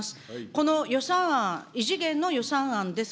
この予算案、異次元の予算案です。